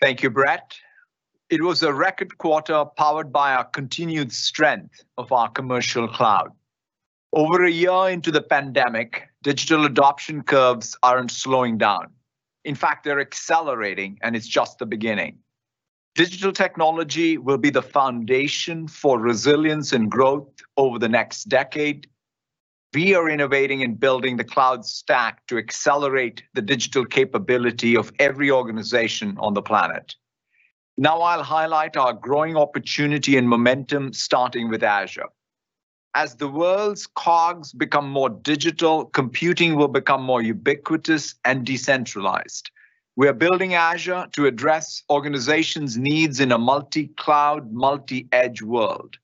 Thank you, Brett. It was a record quarter powered by our continued strength of our commercial cloud. Over a year into the pandemic, digital adoption curves aren't slowing down. They're accelerating, and it's just the beginning. Digital technology will be the foundation for resilience and growth over the next decade. We are innovating and building the cloud stack to accelerate the digital capability of every organization on the planet. I'll highlight our growing opportunity and momentum, starting with Azure. As the world's cogs become more digital, computing will become more ubiquitous and decentralized. We are building Azure to address organizations' needs in a multi-cloud, multi-edge world.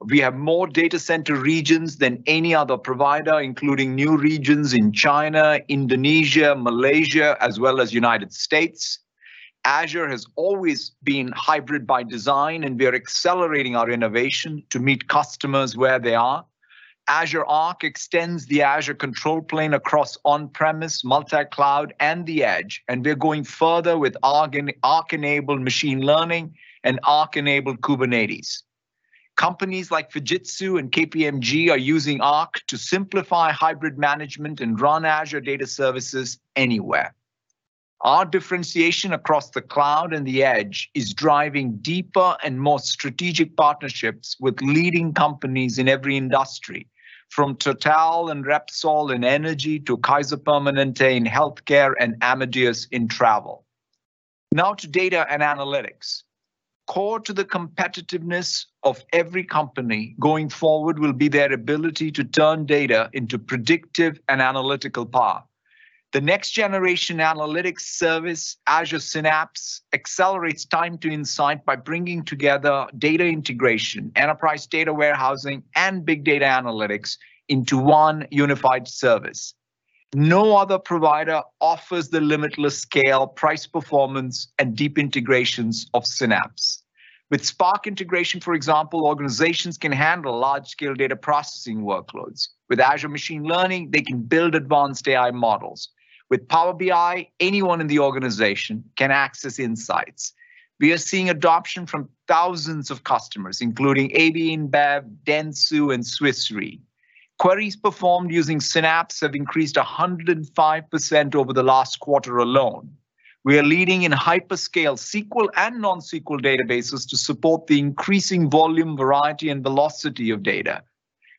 We have more data center regions than any other provider, including new regions in China, Indonesia, Malaysia, as well as United States. Azure has always been hybrid by design, and we are accelerating our innovation to meet customers where they are. Azure Arc extends the Azure control plane across on-premise, multi-cloud, and the edge. We're going further with Arc-enabled machine learning and Arc-enabled Kubernetes. Companies like Fujitsu and KPMG are using Arc to simplify hybrid management and run Azure data services anywhere. Our differentiation across the cloud and the edge is driving deeper and more strategic partnerships with leading companies in every industry, from Total and Repsol in energy to Kaiser Permanente in healthcare and Amadeus in travel. To data and analytics. Core to the competitiveness of every company going forward will be their ability to turn data into predictive and analytical power. The next-generation analytics service, Azure Synapse, accelerates time to insight by bringing together data integration, enterprise data warehousing, and big data analytics into one unified service. No other provider offers the limitless scale, price performance, and deep integrations of Synapse. With Spark integration, for example, organizations can handle large-scale data processing workloads. With Azure Machine Learning, they can build advanced AI models. With Power BI, anyone in the organization can access insights. We are seeing adoption from thousands of customers, including AB InBev, Dentsu, and Swiss Re. Queries performed using Synapse have increased 105% over the last quarter alone. We are leading in hyperscale SQL and NoSQL databases to support the increasing volume, variety, and velocity of data.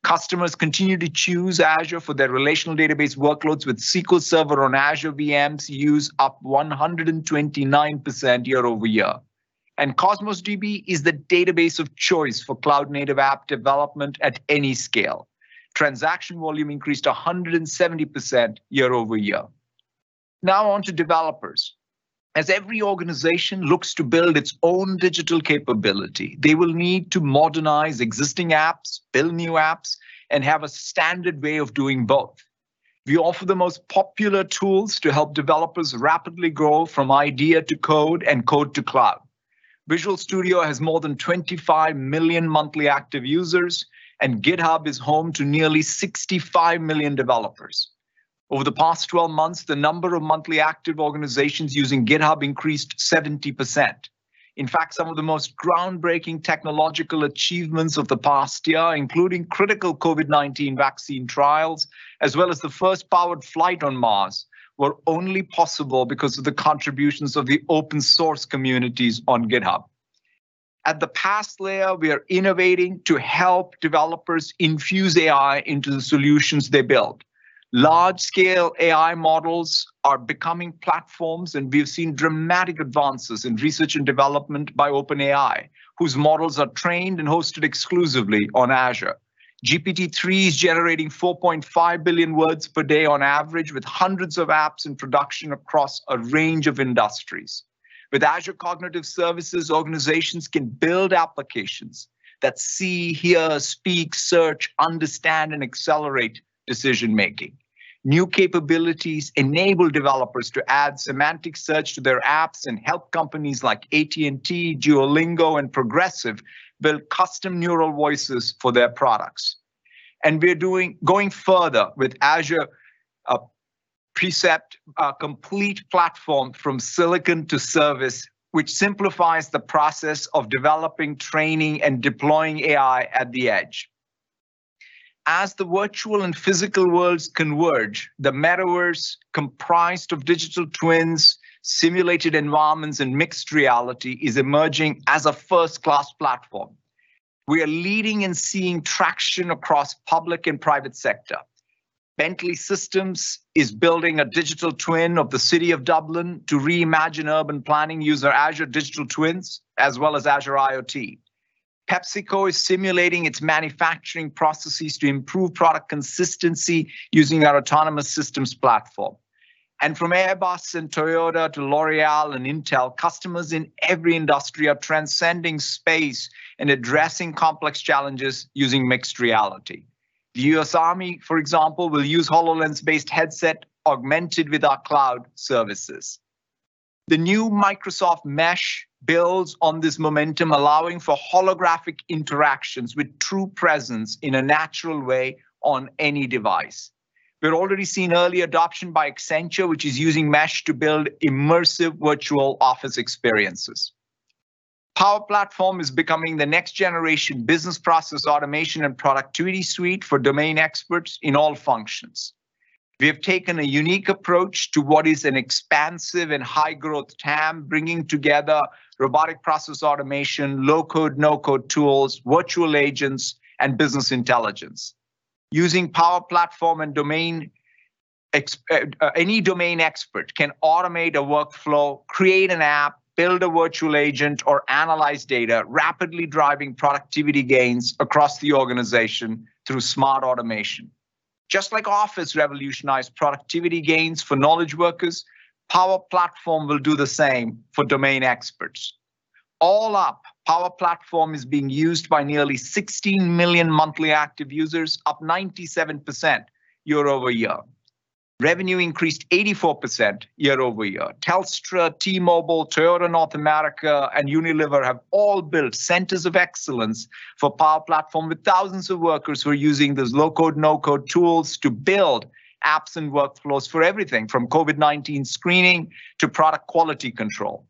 Customers continue to choose Azure for their relational database workloads, with SQL Server on Azure VMs use up 129% year-over-year. Cosmos DB is the database of choice for cloud-native app development at any scale. Transaction volume increased 170% year-over-year. Now on to developers. As every organization looks to build its own digital capability, they will need to modernize existing apps, build new apps, and have a standard way of doing both. We offer the most popular tools to help developers rapidly grow from idea to code and code to cloud. Visual Studio has more than 25 million monthly active users, and GitHub is home to nearly 65 million developers. Over the past 12 months, the number of monthly active organizations using GitHub increased 70%. In fact, some of the most groundbreaking technological achievements of the past year, including critical COVID-19 vaccine trials, as well as the first powered flight on Mars, were only possible because of the contributions of the open source communities on GitHub. At the PaaS layer, we are innovating to help developers infuse AI into the solutions they build. Large-scale AI models are becoming platforms. We've seen dramatic advances in research and development by OpenAI, whose models are trained and hosted exclusively on Azure. GPT-3 is generating 4.5 billion words per day on average, with hundreds of apps in production across a range of industries. With Azure Cognitive Services, organizations can build applications that see, hear, speak, search, understand, and accelerate decision-making. New capabilities enable developers to add semantic search to their apps and help companies like AT&T, Duolingo, and Progressive build custom neural voices for their products. We're going further with Azure Percept, a complete platform from silicon to service which simplifies the process of developing, training, and deploying AI at the edge. As the virtual and physical worlds converge, the metaverse comprised of digital twins, simulated environments, and mixed reality is emerging as a first-class platform. We are leading in seeing traction across public and private sector. Bentley Systems is building a digital twin of the city of Dublin to reimagine urban planning using Azure Digital Twins as well as Azure IoT. PepsiCo is simulating its manufacturing processes to improve product consistency using our autonomous systems platform. From Airbus and Toyota to L'Oréal and Intel, customers in every industry are transcending space and addressing complex challenges using mixed reality. The U.S. Army, for example, will use HoloLens-based headset augmented with our cloud services. The new Microsoft Mesh builds on this momentum, allowing for holographic interactions with true presence in a natural way on any device. We're already seeing early adoption by Accenture, which is using Mesh to build immersive virtual office experiences. Power Platform is becoming the next generation business process automation and productivity suite for domain experts in all functions. We have taken a unique approach to what is an expansive and high-growth TAM, bringing together robotic process automation, low-code/no-code tools, virtual agents, and business intelligence. Using Power Platform and any domain expert can automate a workflow, create an app, build a virtual agent, or analyze data, rapidly driving productivity gains across the organization through smart automation. Just like Office revolutionized productivity gains for knowledge workers, Power Platform will do the same for domain experts. All up, Power Platform is being used by nearly 16 million monthly active users, up 97% year-over-year. Revenue increased 84% year-over-year. Telstra, T-Mobile, Toyota North America, and Unilever have all built centers of excellence for Power Platform, with thousands of workers who are using those low-code/no-code tools to build apps and workflows for everything from COVID-19 screening to product quality control.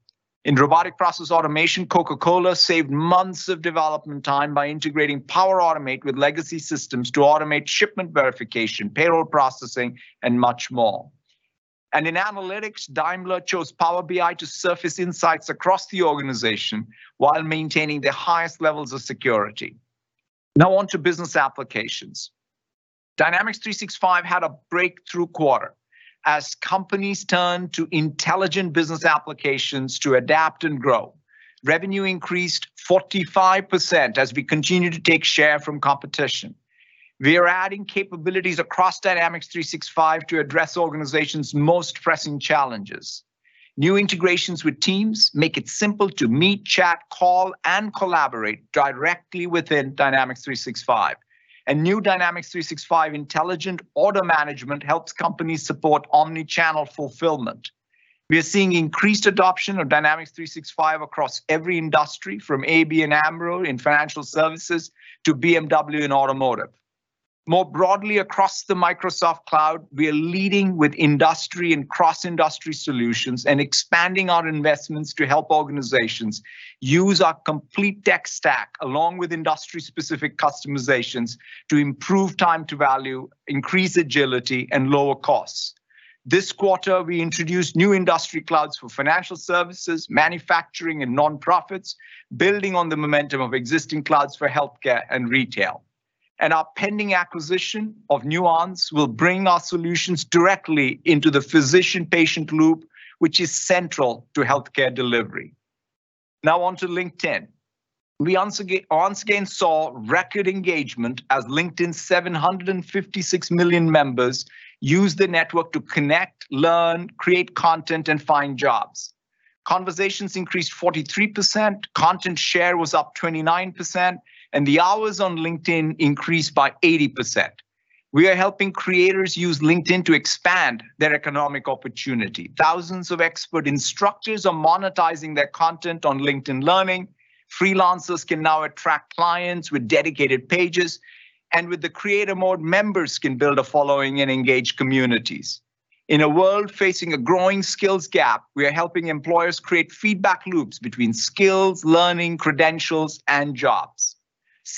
In robotic process automation, Coca-Cola saved months of development time by integrating Power Automate with legacy systems to automate shipment verification, payroll processing, and much more. In analytics, Daimler chose Power BI to surface insights across the organization while maintaining the highest levels of security. On to business applications. Dynamics 365 had a breakthrough quarter as companies turn to intelligent business applications to adapt and grow. Revenue increased 45% as we continue to take share from competition. We are adding capabilities across Dynamics 365 to address organizations' most pressing challenges. New integrations with Teams make it simple to meet, chat, call, and collaborate directly within Dynamics 365. New Dynamics 365 Intelligent Order Management helps companies support omni-channel fulfillment. We are seeing increased adoption of Dynamics 365 across every industry from ABN AMRO in financial services to BMW in automotive. More broadly, across the Microsoft Cloud, we are leading with industry and cross-industry solutions and expanding our investments to help organizations use our complete tech stack, along with industry-specific customizations, to improve time to value, increase agility, and lower costs. This quarter, we introduced new industry clouds for financial services, manufacturing, and nonprofits, building on the momentum of existing clouds for healthcare and retail. Our pending acquisition of Nuance will bring our solutions directly into the physician-patient loop, which is central to healthcare delivery. Now on to LinkedIn. We once again saw record engagement as LinkedIn's 756 million members used the network to connect, learn, create content, and find jobs. Conversations increased 43%, content share was up 29%, and the hours on LinkedIn increased by 80%. We are helping creators use LinkedIn to expand their economic opportunity. Thousands of expert instructors are monetizing their content on LinkedIn Learning, freelancers can now attract clients with dedicated pages. With the creator mode, members can build a following and engage communities. In a world facing a growing skills gap, we are helping employers create feedback loops between skills, learning, credentials, and jobs.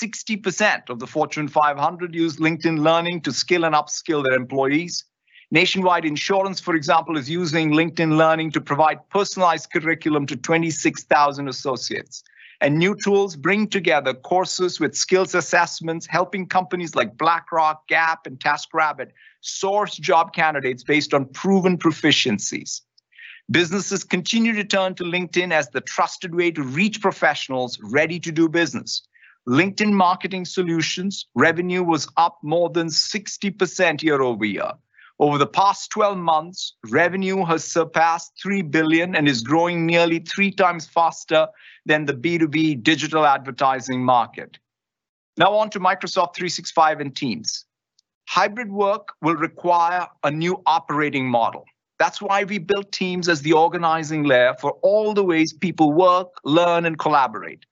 60% of the Fortune 500 use LinkedIn Learning to skill and upskill their employees. Nationwide Insurance, for example, is using LinkedIn Learning to provide personalized curriculum to 26,000 associates. New tools bring together courses with skills assessments, helping companies like BlackRock, Gap, and TaskRabbit source job candidates based on proven proficiencies. Businesses continue to turn to LinkedIn as the trusted way to reach professionals ready to do business. LinkedIn Marketing Solutions revenue was up more than 60% year-over-year. Over the past 12 months, revenue has surpassed $3 billion and is growing nearly 3x faster than the B2B digital advertising market. Now on to Microsoft 365 and Teams. Hybrid work will require a new operating model. That's why we built Teams as the organizing layer for all the ways people work, learn, and collaborate.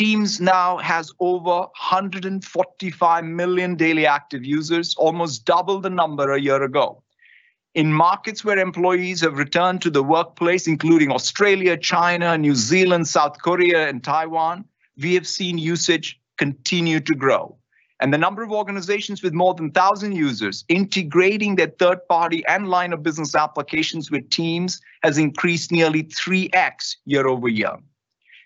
Teams now has over 145 million daily active users, almost double the number a year ago. In markets where employees have returned to the workplace, including Australia, China, New Zealand, South Korea, and Taiwan, we have seen usage continue to grow. The number of organizations with more than 1,000 users integrating their third-party and line-of-business applications with Teams has increased nearly 3x year-over-year.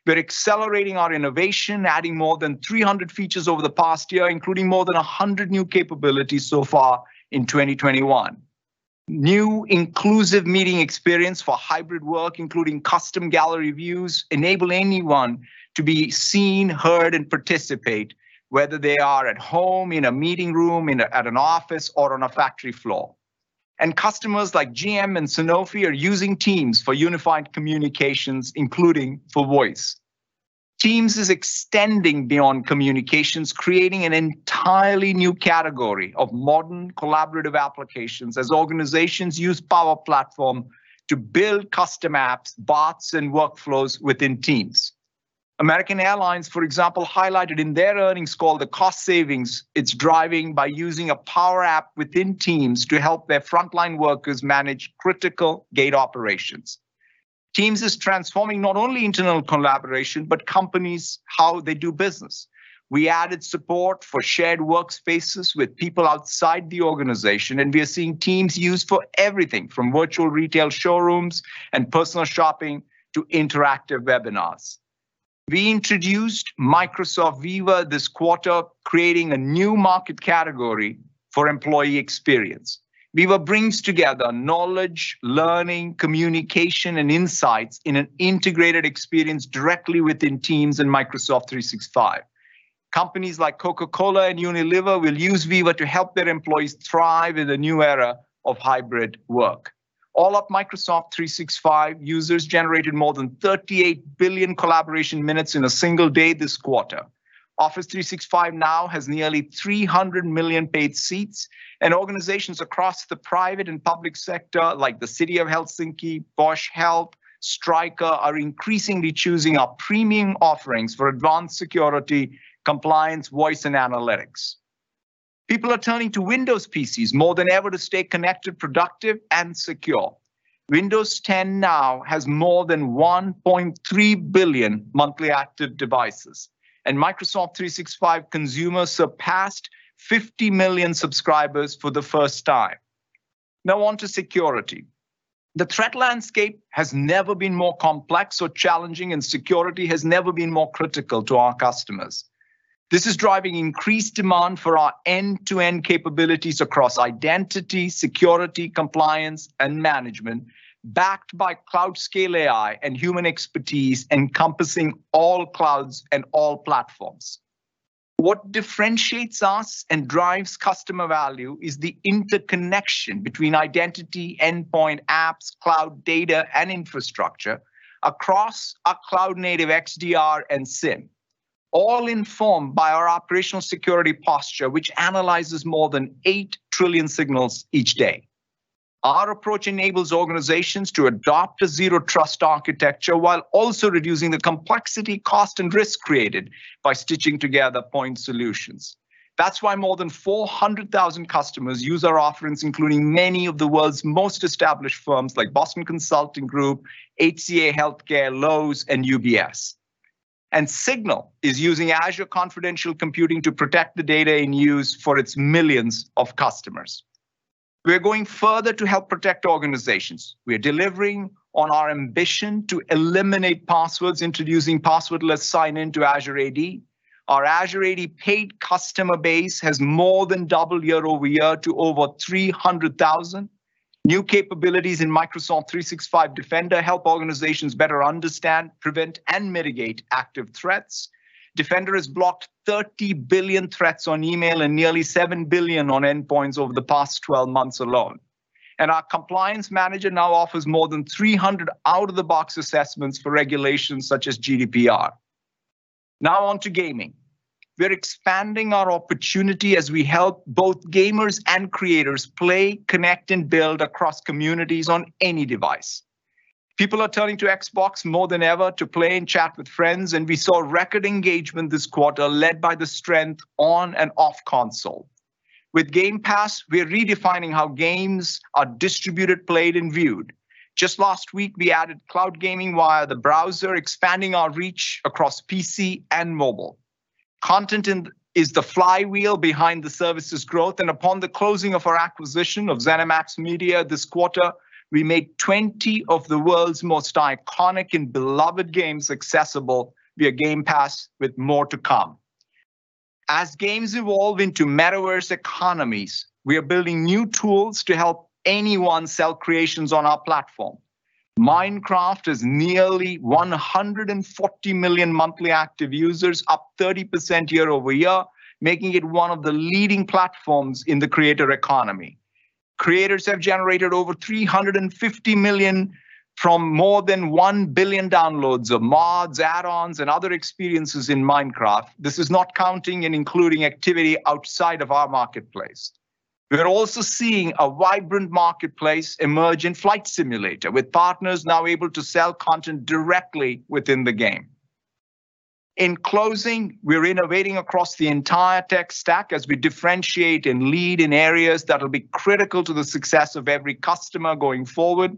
We're accelerating our innovation, adding more than 300 features over the past year, including more than 100 new capabilities so far in 2021. New inclusive meeting experience for hybrid work, including custom gallery views, enable anyone to be seen, heard, and participate, whether they are at home, in a meeting room, at an office, or on a factory floor. Customers like GM and Sanofi are using Teams for unified communications, including for voice. Teams is extending beyond communications, creating an entirely new category of modern collaborative applications as organizations use Power Platform to build custom apps, bots, and workflows within Teams. American Airlines, for example, highlighted in their earnings call the cost savings it's driving by using a Power App within Teams to help their frontline workers manage critical gate operations. Teams is transforming not only internal collaboration, but companies, how they do business. We added support for shared workspaces with people outside the organization, and we are seeing Teams used for everything, from virtual retail showrooms and personal shopping to interactive webinars. We introduced Microsoft Viva this quarter, creating a new market category for employee experience. Viva brings together knowledge, learning, communication, and insights in an integrated experience directly within Teams and Microsoft 365. Companies like Coca-Cola and Unilever will use Viva to help their employees thrive in the new era of hybrid work. All of Microsoft 365 users generated more than 38 billion collaboration minutes in a single day this quarter. Office 365 now has nearly 300 million paid seats, and organizations across the private and public sector, like the city of Helsinki, Bausch Health, Stryker, are increasingly choosing our premium offerings for advanced security, compliance, voice, and analytics. People are turning to Windows PCs more than ever to stay connected, productive, and secure. Windows 10 now has more than 1.3 billion monthly active devices, and Microsoft 365 consumer surpassed 50 million subscribers for the first time. Now on to security. The threat landscape has never been more complex or challenging, and security has never been more critical to our customers. This is driving increased demand for our end-to-end capabilities across identity, security, compliance, and management, backed by cloud scale AI and human expertise encompassing all clouds and all platforms. What differentiates us and drives customer value is the interconnection between identity, endpoint, apps, cloud data, and infrastructure across our cloud-native XDR and SIEM, all informed by our operational security posture, which analyzes more than eight trillion signals each day. Our approach enables organizations to adopt a zero-trust architecture while also reducing the complexity, cost, and risk created by stitching together point solutions. That's why more than 400,000 customers use our offerings, including many of the world's most established firms, like Boston Consulting Group, HCA Healthcare, Lowe's, and UBS. Signal is using Azure confidential computing to protect the data in use for its millions of customers. We are going further to help protect organizations. We are delivering on our ambition to eliminate passwords, introducing password-less sign-in to Azure AD. Our Azure AD paid customer base has more than doubled year-over-year to over 300,000. New capabilities in Microsoft 365 Defender help organizations better understand, prevent, and mitigate active threats. Defender has blocked 30 billion threats on email and nearly seven billion on endpoints over the past 12 months alone. Our compliance manager now offers more than 300 out-of-the-box assessments for regulations such as GDPR. Now on to gaming. We're expanding our opportunity as we help both gamers and creators play, connect, and build across communities on any device. People are turning to Xbox more than ever to play and chat with friends, and we saw record engagement this quarter led by the strength on and off console. With Game Pass, we are redefining how games are distributed, played, and viewed. Just last week, we added cloud gaming via the browser, expanding our reach across PC and mobile. Content in, is the flywheel behind the service's growth, and upon the closing of our acquisition of ZeniMax Media this quarter, we made 20 of the world's most iconic and beloved games accessible via Game Pass, with more to come. As games evolve into metaverse economies, we are building new tools to help anyone sell creations on our platform. Minecraft has nearly 140 million monthly active users, up 30% year-over-year, making it one of the leading platforms in the creator economy. Creators have generated over $350 million from more than one billion downloads of mods, add-ons, and other experiences in Minecraft. This is not counting and including activity outside of our marketplace. We are also seeing a vibrant marketplace emerge in Flight Simulator, with partners now able to sell content directly within the game. In closing, we're innovating across the entire tech stack as we differentiate and lead in areas that'll be critical to the success of every customer going forward.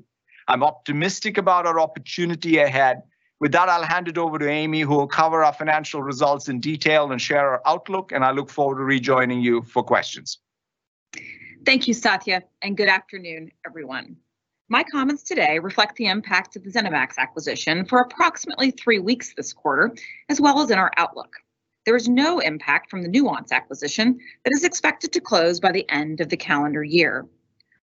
I'm optimistic about our opportunity ahead. With that, I'll hand it over to Amy, who will cover our financial results in detail and share our outlook. I look forward to rejoining you for questions. Thank you, Satya, and good afternoon, everyone. My comments today reflect the impact of the ZeniMax acquisition for approximately three weeks this quarter, as well as in our outlook. There is no impact from the Nuance acquisition that is expected to close by the end of the calendar year.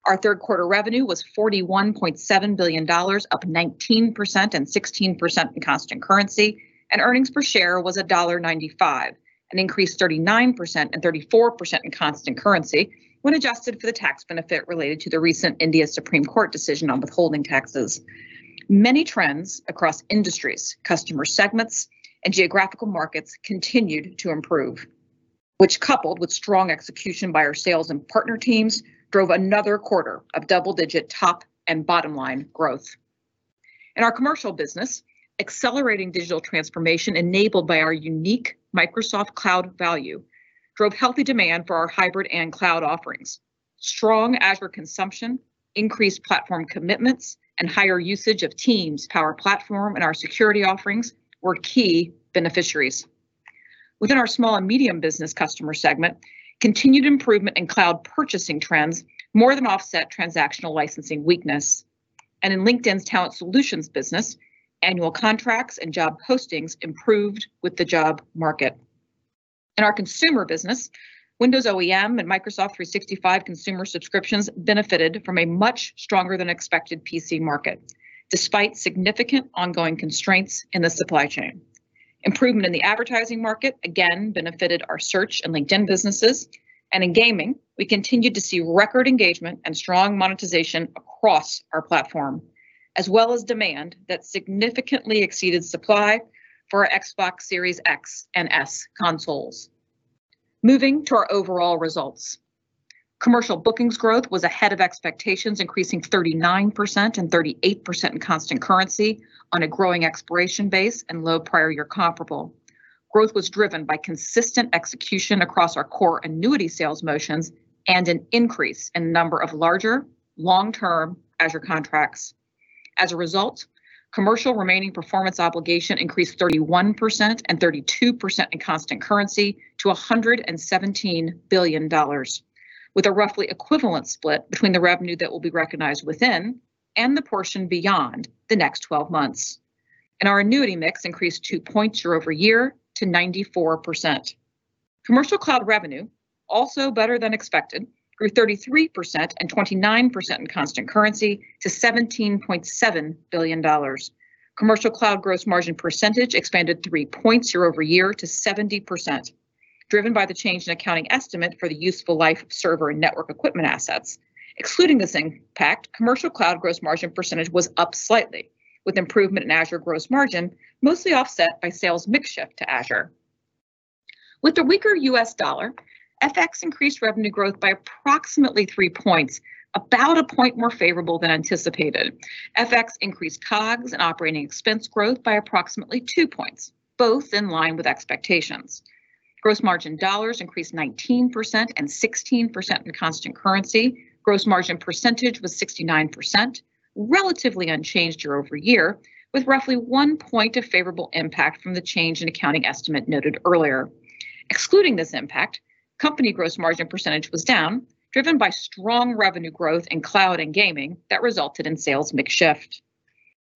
Our third quarter revenue was $41.7 billion, up 19% and 16% in constant currency, and earnings per share was $1.95, an increase 39% and 34% in constant currency when adjusted for the tax benefit related to the recent Supreme Court of India decision on withholding taxes. Many trends across industries, customer segments, and geographical markets continued to improve, which coupled with strong execution by our sales and partner teams, drove another quarter of double-digit top and bottom line growth. In our commercial business, accelerating digital transformation enabled by our unique Microsoft Cloud value drove healthy demand for our hybrid and cloud offerings. Strong Azure consumption, increased platform commitments, and higher usage of Teams Power Platform and our security offerings were key beneficiaries. Within our small and medium business customer segment, continued improvement in cloud purchasing trends more than offset transactional licensing weakness. In LinkedIn's Talent Solutions business, annual contracts and job postings improved with the job market. In our consumer business, Windows OEM and Microsoft 365 consumer subscriptions benefited from a much stronger than expected PC market, despite significant ongoing constraints in the supply chain. Improvement in the advertising market, again, benefited our search and LinkedIn businesses. In gaming, we continued to see record engagement and strong monetization across our platform, as well as demand that significantly exceeded supply for our Xbox Series X and S consoles. Moving to our overall results. Commercial bookings growth was ahead of expectations, increasing 39% and 38% in constant currency on a growing expiration base and low prior year comparable. Growth was driven by consistent execution across our core annuity sales motions and an increase in number of larger, long-term Azure contracts. As a result, commercial remaining performance obligation increased 31% and 32% in constant currency to $117 billion, with a roughly equivalent split between the revenue that will be recognized within and the portion beyond the next 12 months. Our annuity mix increased two points year-over-year to 94%. Commercial cloud revenue, also better than expected, grew 33% and 29% in constant currency to $17.7 billion. Commercial cloud gross margin percentage expanded three points year-over-year to 70%, driven by the change in accounting estimate for the useful life server and network equipment assets. Excluding this impact, commercial cloud gross margin percentage was up slightly, with improvement in Azure gross margin mostly offset by sales mix shift to Azure. With the weaker U.S. dollar, FX increased revenue growth by approximately three points, about a point more favorable than anticipated. FX increased COGS and operating expense growth by approximately two points, both in line with expectations. Gross margin dollars increased 19% and 16% in constant currency. Gross margin percentage was 69%, relatively unchanged year-over-year, with roughly one point of favorable impact from the change in accounting estimate noted earlier. Excluding this impact, company gross margin percentage was down, driven by strong revenue growth in cloud and gaming that resulted in sales mix shift.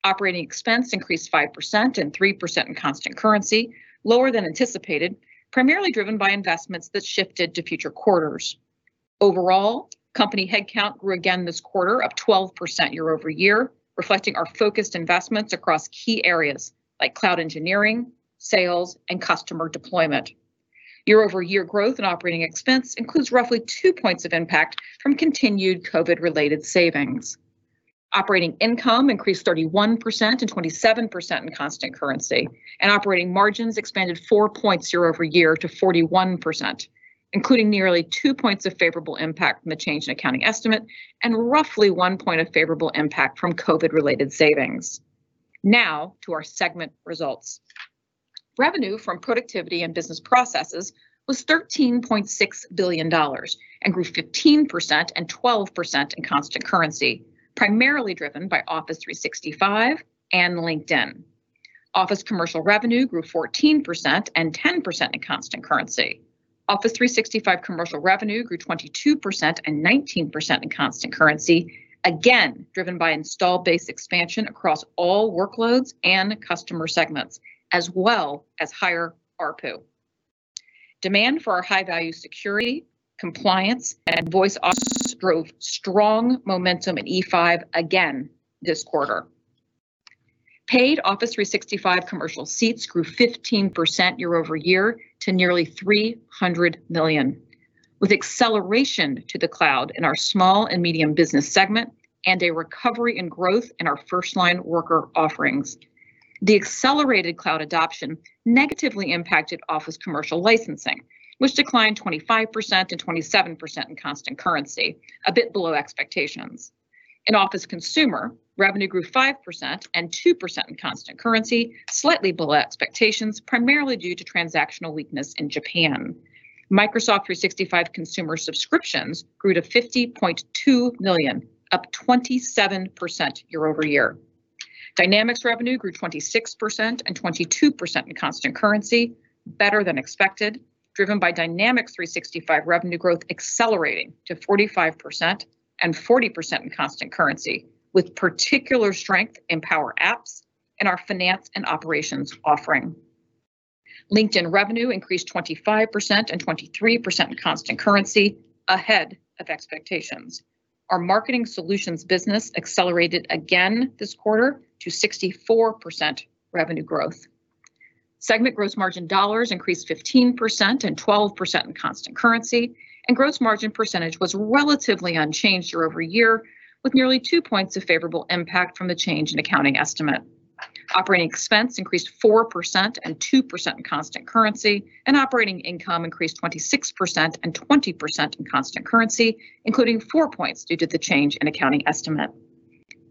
Operating expense increased 5% and 3% in constant currency, lower than anticipated, primarily driven by investments that shifted to future quarters. Overall, company headcount grew again this quarter, up 12% year-over-year, reflecting our focused investments across key areas like cloud engineering, sales, and customer deployment. Year-over-year growth in operating expense includes roughly two points of impact from continued COVID-related savings. Operating income increased 31% and 27% in constant currency, and operating margins expanded four points year-over-year to 41%, including nearly two points of favorable impact from the change in accounting estimate and roughly one point of favorable impact from COVID-related savings. Now to our segment results. Revenue from productivity and business processes was $13.6 billion and grew 15% and 12% in constant currency, primarily driven by Office 365 and LinkedIn. Office commercial revenue grew 14% and 10% in constant currency. Office 365 commercial revenue grew 22% and 19% in constant currency, again, driven by install base expansion across all workloads and customer segments, as well as higher ARPU. Demand for our high-value security, compliance, and voice drove strong momentum at E5 again this quarter. Paid Office 365 commercial seats grew 15% year-over-year to nearly 300 million, with acceleration to the cloud in our small and medium business segment and a recovery and growth in our first line worker offerings. The accelerated cloud adoption negatively impacted Office commercial licensing, which declined 25% and 27% in constant currency, a bit below expectations. In Office Consumer, revenue grew 5% and 2% in constant currency, slightly below expectations, primarily due to transactional weakness in Japan. Microsoft 365 consumer subscriptions grew to 50.2 million, up 27% year-over-year. Dynamics revenue grew 26% and 22% in constant currency, better than expected, driven by Dynamics 365 revenue growth accelerating to 45% and 40% in constant currency, with particular strength in Power Apps and our finance and operations offering. LinkedIn revenue increased 25% and 23% in constant currency, ahead of expectations. Our marketing solutions business accelerated again this quarter to 64% revenue growth. Segment gross margin dollars increased 15% and 12% in constant currency, and gross margin percentage was relatively unchanged year-over-year, with nearly two points of favorable impact from the change in accounting estimate. Operating expense increased 4% and 2% in constant currency, and operating income increased 26% and 20% in constant currency, including four points due to the change in accounting estimate.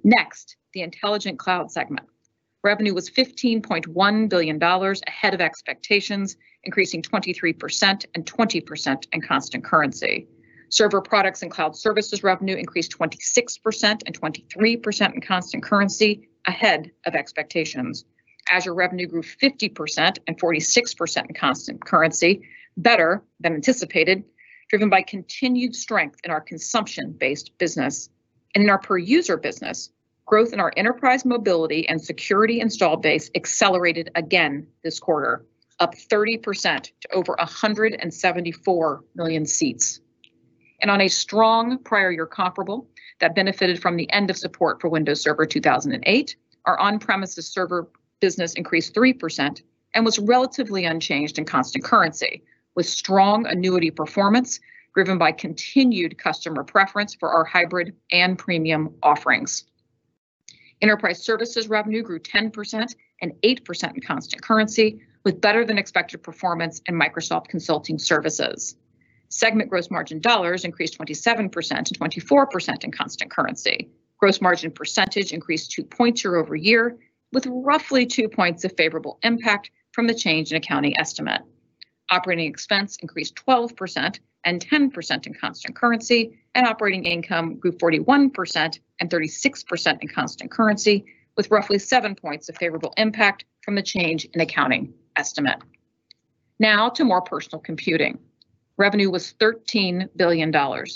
Next, the Intelligent Cloud segment. Revenue was $15.1 billion, ahead of expectations, increasing 23% and 20% in constant currency. Server products and cloud services revenue increased 26% and 23% in constant currency, ahead of expectations. Azure revenue grew 50% and 46% in constant currency, better than anticipated, driven by continued strength in our consumption-based business. In our per user business, growth in our Enterprise Mobility + Security install base accelerated again this quarter, up 30% to over 174 million seats. On a strong prior year comparable that benefited from the end of support for Windows Server 2008, our on-premises server business increased 3% and was relatively unchanged in constant currency, with strong annuity performance driven by continued customer preference for our hybrid and premium offerings. Enterprise services revenue grew 10% and 8% in constant currency with better than expected performance in Microsoft Consulting Services. Segment gross margin dollars increased 27% and 24% in constant currency. Gross margin percentage increased two points year-over-year with roughly two points of favorable impact from the change in accounting estimate. Operating expense increased 12% and 10% in constant currency, and operating income grew 41% and 36% in constant currency with roughly seven points of favorable impact from the change in accounting estimate. To more personal computing. Revenue was $13 billion,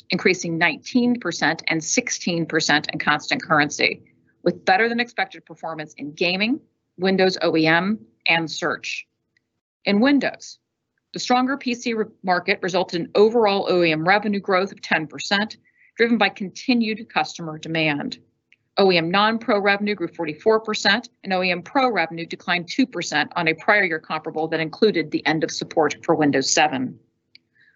increasing 19% and 16% in constant currency, with better than expected performance in gaming, Windows OEM, and search. In Windows, the stronger PC market resulted in overall OEM revenue growth of 10%, driven by continued customer demand. OEM non-Pro revenue grew 44%, and OEM Pro revenue declined 2% on a prior year comparable that included the end of support for Windows 7.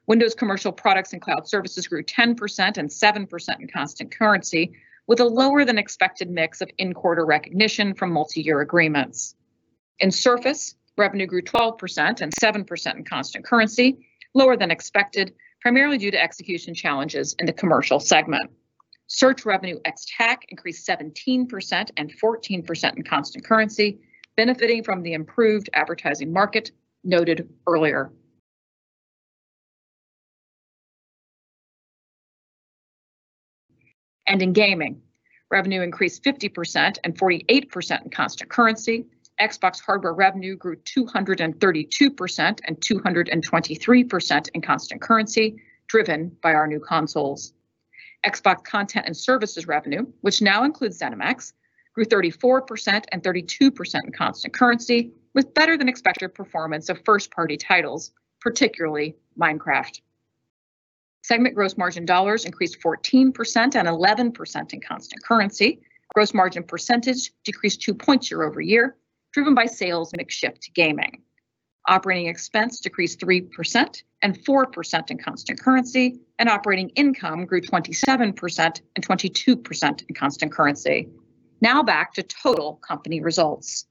Windows commercial products and cloud services grew 10% and 7% in constant currency with a lower than expected mix of in-quarter recognition from multi-year agreements. In Surface, revenue grew 12% and 7% in constant currency, lower than expected, primarily due to execution challenges in the commercial segment. Search revenue ex TAC increased 17% and 14% in constant currency, benefiting from the improved advertising market noted earlier. In gaming, revenue increased 50% and 48% in constant currency. Xbox hardware revenue grew 232% and 223% in constant currency, driven by our new consoles. Xbox content and services revenue, which now includes ZeniMax, grew 34% and 32% in constant currency with better than expected performance of first party titles, particularly Minecraft. Segment gross margin dollars increased 14% and 11% in constant currency. Gross margin percentage decreased two points year-over-year, driven by sales mix shift to gaming. Operating expense decreased 3% and 4% in constant currency. Operating income grew 27% and 22% in constant currency. Back to total company results.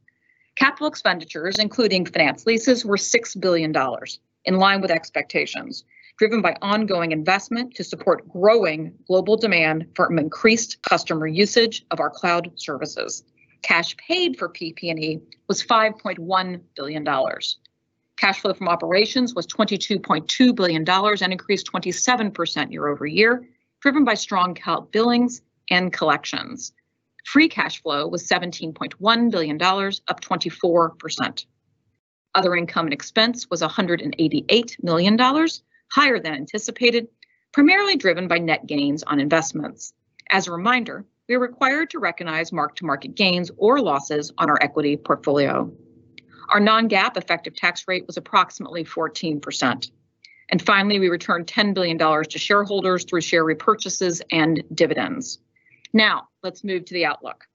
Capital expenditures, including finance leases, were $6 billion, in line with expectations, driven by ongoing investment to support growing global demand from increased customer usage of our cloud services. Cash paid for PP&E was $5.1 billion. Cash flow from operations was $22.2 billion and increased 27% year-over-year, driven by strong cloud billings and collections. Free cash flow was $17.1 billion, up 24%. Other income and expense was $188 million, higher than anticipated, primarily driven by net gains on investments. As a reminder, we are required to recognize mark-to-market gains or losses on our equity portfolio. Our non-GAAP effective tax rate was approximately 14%. Finally, we returned $10 billion to shareholders through share repurchases and dividends. Let's move to the outlook.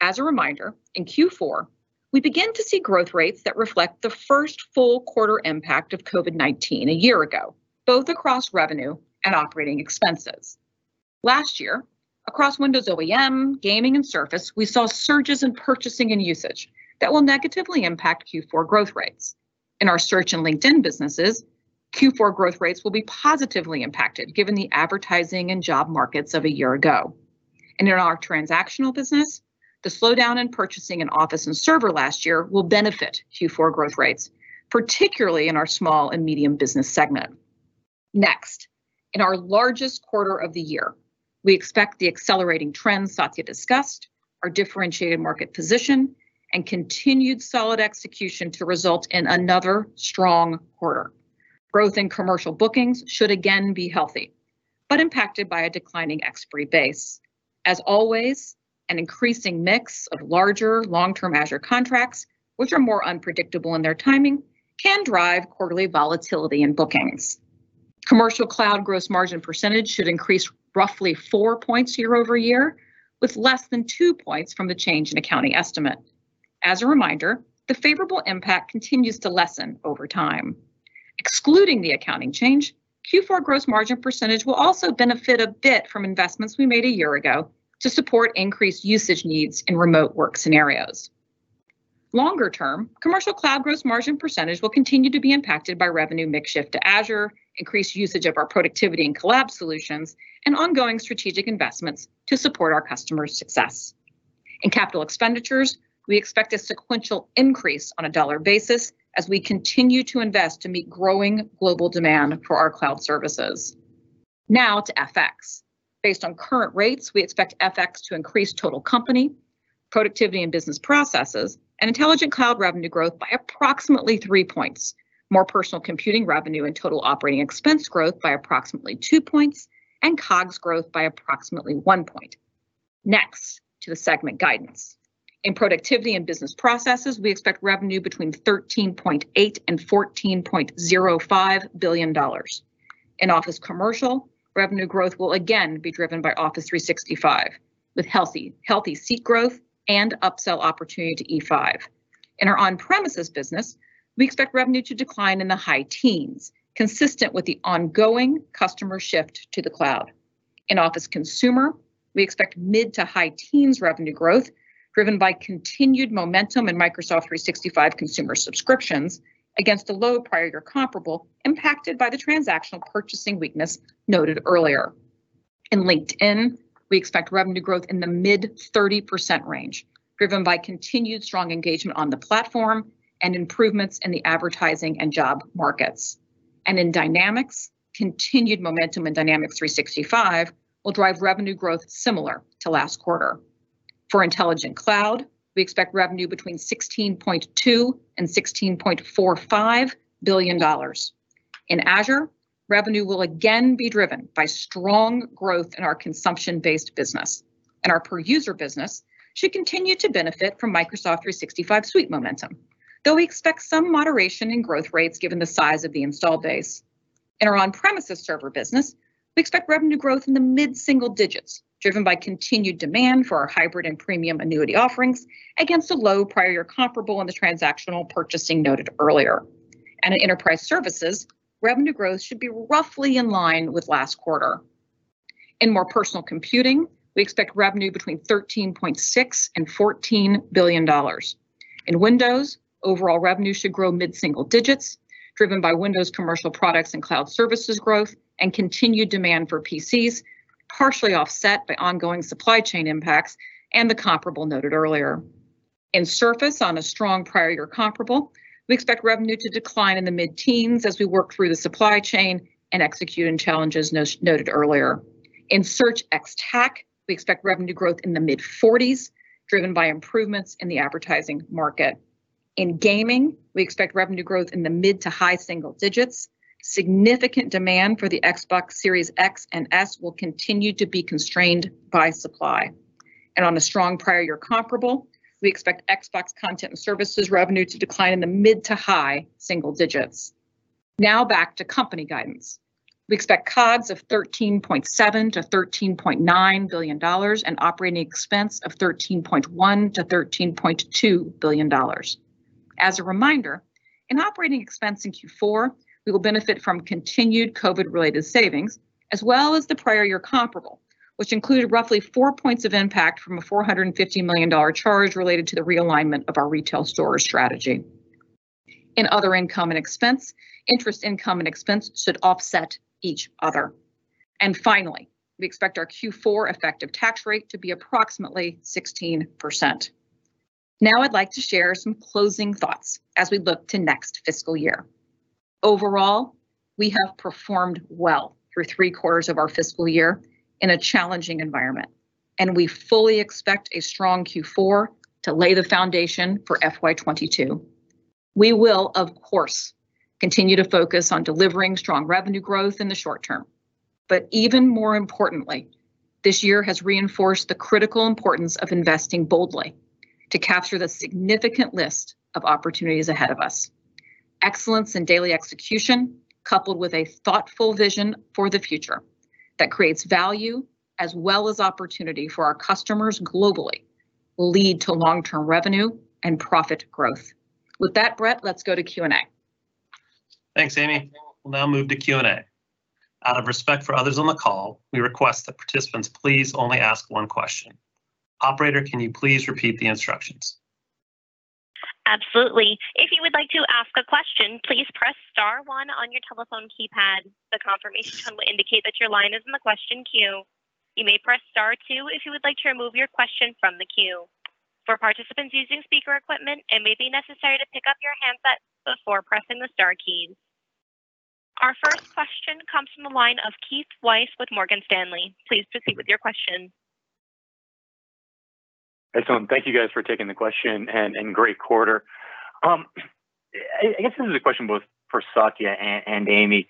As a reminder, in Q4, we begin to see growth rates that reflect the first full quarter impact of COVID-19 a year ago, both across revenue and operating expenses. Last year, across Windows OEM, gaming, and Surface, we saw surges in purchasing and usage that will negatively impact Q4 growth rates. In our search and LinkedIn businesses, Q4 growth rates will be positively impacted given the advertising and job markets of a year ago. In our transactional business, the slowdown in purchasing in Office and Server last year will benefit Q4 growth rates, particularly in our small and medium business segment. Next, in our largest quarter of the year, we expect the accelerating trends Satya discussed, our differentiated market position, and continued solid execution to result in another strong quarter. Growth in commercial bookings should again be healthy, impacted by a declining ex-FX base. As always, an increasing mix of larger long-term Azure contracts, which are more unpredictable in their timing, can drive quarterly volatility in bookings. Commercial cloud gross margin percentage should increase roughly four points year-over-year with less than two points from the change in accounting estimate. As a reminder, the favorable impact continues to lessen over time. Excluding the accounting change, Q4 gross margin percentage will also benefit a bit from investments we made a year ago to support increased usage needs in remote work scenarios. Longer term, commercial cloud gross margin percentage will continue to be impacted by revenue mix shift to Azure, increased usage of our productivity and collab solutions, and ongoing strategic investments to support our customers' success. In capital expenditures, we expect a sequential increase on a dollar basis as we continue to invest to meet growing global demand for our cloud services. Now to FX. Based on current rates, we expect FX to increase total company, Productivity and Business Processes, and Intelligent Cloud revenue growth by approximately three points, More Personal Computing revenue and total operating expense growth by approximately two points, and COGS growth by approximately one point. Next to the segment guidance. In Productivity and Business Processes, we expect revenue between $13.8 billion and $14.05 billion. In Office Commercial, revenue growth will again be driven by Office 365, with healthy seat growth and upsell opportunity to E5. In our on-premises business, we expect revenue to decline in the high teens, consistent with the ongoing customer shift to the cloud. In Office Consumer, we expect mid to high teens revenue growth, driven by continued momentum in Microsoft 365 consumer subscriptions against a low prior-year comparable impacted by the transactional purchasing weakness noted earlier. In LinkedIn, we expect revenue growth in the mid-30% range, driven by continued strong engagement on the platform and improvements in the advertising and job markets. In Dynamics, continued momentum in Dynamics 365 will drive revenue growth similar to last quarter. For Intelligent Cloud, we expect revenue between $16.2 billion and $16.45 billion. In Azure, revenue will again be driven by strong growth in our consumption-based business, and our per-user business should continue to benefit from Microsoft 365 suite momentum. Though we expect some moderation in growth rates given the size of the install base. In our on-premises server business, we expect revenue growth in the mid-single digits, driven by continued demand for our hybrid and premium annuity offerings against a low prior-year comparable on the transactional purchasing noted earlier. In Enterprise Services, revenue growth should be roughly in line with last quarter. In more personal computing, we expect revenue between $13.6 billion and $14 billion. In Windows, overall revenue should grow mid-single digits, driven by Windows commercial products and cloud services growth, and continued demand for PCs, partially offset by ongoing supply chain impacts and the comparable noted earlier. In Surface, on a strong prior-year comparable, we expect revenue to decline in the mid-teens as we work through the supply chain and executing challenges noted earlier. In Search ex TAC, we expect revenue growth in the mid-40s, driven by improvements in the advertising market. In gaming, we expect revenue growth in the mid to high single digits. Significant demand for the Xbox Series X and S will continue to be constrained by supply. On a strong prior-year comparable, we expect Xbox content and services revenue to decline in the mid to high single digits. Now back to company guidance. We expect COGS of $13.7 billion-$13.9 billion. Operating expense of $13.1 billion-$13.2 billion. As a reminder, in operating expense in Q4, we will benefit from continued COVID-related savings, as well as the prior-year comparable, which included roughly four points of impact from a $450 million charge related to the realignment of our retail store strategy. In other income and expense, interest income and expense should offset each other. Finally, we expect our Q4 effective tax rate to be approximately 16%. Now I'd like to share some closing thoughts as we look to next fiscal year. Overall, we have performed well through three quarters of our fiscal year in a challenging environment. We fully expect a strong Q4 to lay the foundation for FY 2022. We will, of course, continue to focus on delivering strong revenue growth in the short term. Even more importantly, this year has reinforced the critical importance of investing boldly to capture the significant list of opportunities ahead of us. Excellence in daily execution, coupled with a thoughtful vision for the future that creates value as well as opportunity for our customers globally, will lead to long-term revenue and profit growth. With that, Brett, let's go to Q&A. Thanks, Amy. We'll now move to Q&A. Out of respect for others on the call, we request that participants please only ask one question. Operator, can you please repeat the instructions? Absolutely. If you would like to ask a question, please press star one on your telephone keypad. The confirmation tone will indicate that your line is in the question queue. You may press star two if you would like to remove your question from the queue. For participants using speaker equipment, it may be necessary to pick up your handset before pressing the star key. Our first question comes from the line of Keith Weiss with Morgan Stanley. Please proceed with your question. Excellent. Thank you guys for taking the question and great quarter. I guess this is a question both for Satya and Amy.